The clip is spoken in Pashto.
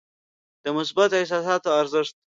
د مثبتو احساساتو ارزښت.